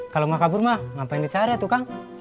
kamu mau kabur mah ngapain bicara tuh kang